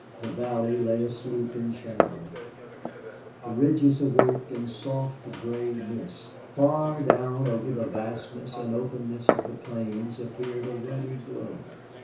The valley lay asleep in shadow, the ridges awoke in soft gray mist. Far down over the vastness and openness of the plains appeared a ruddy glow.